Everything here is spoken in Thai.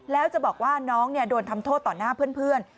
แล้วจะบอกว่าน้องโดนทำโทษต่อหน้าเพื่อน